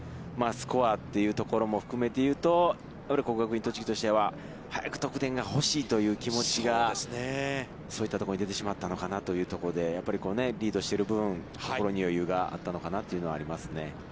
スコアというところも含めて言うと、やはり国学院栃木としては、早く得点が欲しいという気持ちがそういったところに出てしまったのかなというところでやっぱりリードしている分、心に余裕があったのかなというのはありますね。